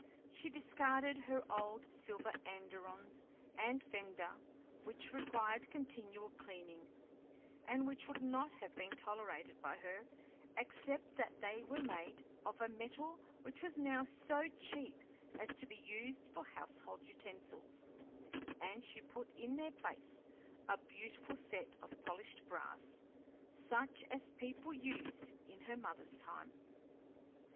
She discarded her old silver andirons and fender, which required continual cleaning, and which would not have been tolerated by her except that they were made of a metal which was now so cheap as to be used for household utensils, and she put in their place a beautiful set of polished brass, such as people used in her mother's time.